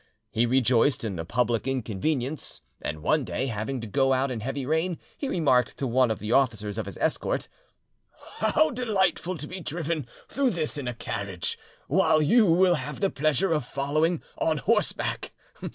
He rejoiced in the public inconvenience, and one day having to go out in heavy rain, he remarked to one of the officers of his escort, "How delightful to be driven through this in a carriage, while you will have the pleasure of following on horseback!